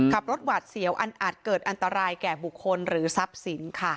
ขับรถหวาดเสียวอันอาจเกิดอันตรายแก่บุคคลหรือทรัพย์สินค่ะ